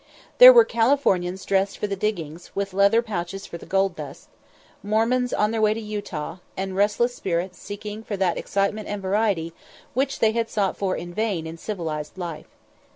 There were Californians dressed for the diggings, with leather pouches for the gold dust; Mormons on their way to Utah; and restless spirits seeking for that excitement and variety which they had sought for in vain in civilized life!